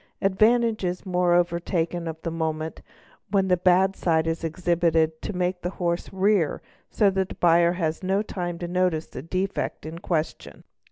Advantage is moreover taken of the moment when the bad side is exhibited to make the horse rear so that the buyer has no . time to notice the defect in question.